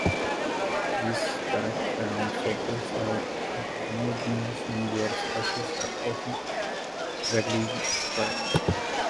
These dark brown solids are inhomogenous and their structures are often vaguely described.